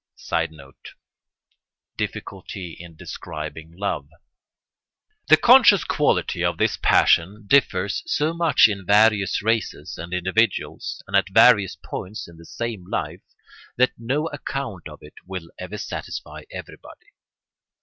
[Sidenote: Difficulty in describing love.] The conscious quality of this passion differs so much in various races and individuals, and at various points in the same life, that no account of it will ever satisfy everybody.